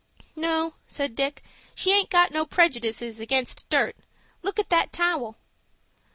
"No," said Dick. "She aint got no prejudices against dirt. Look at that towel."